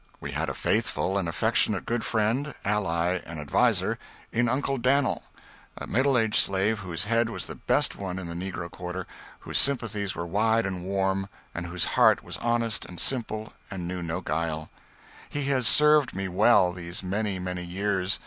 We had a faithful and affectionate good friend, ally and adviser in "Uncle Dan'l," a middle aged slave whose head was the best one in the negro quarter, whose sympathies were wide and warm, and whose heart was honest and simple and knew no guile. He has served me well, these many, many years.